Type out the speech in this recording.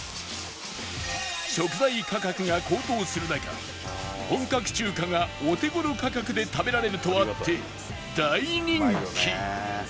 食材価格が高騰する中本格中華がお手頃価格で食べられるとあって大人気